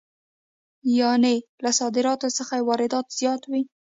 یانې له صادراتو څخه یې واردات زیات وي